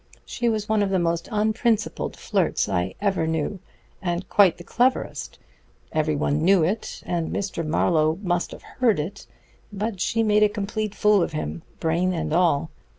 She was one of the most unprincipled flirts I ever knew, and quite the cleverest. Everyone knew it, and Mr. Marlowe must have heard it; but she made a complete fool of him, brain and all....